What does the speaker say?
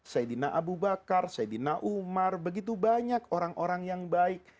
saidina abu bakar saidina umar begitu banyak orang orang yang baik